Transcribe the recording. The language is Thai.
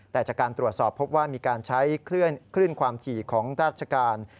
แต่จากการตรวจสอบพบว่ามีการใช้คลื่นความถี่ของราชการ